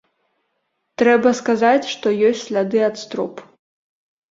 Трэба сказаць, што ёсць сляды ад строп.